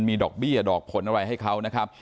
มีดอกเบี้ยดอกผลอะไรให้เขานะครับ